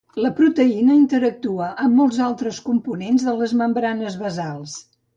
La proteïna interactua amb molts altres components de les membranes basals.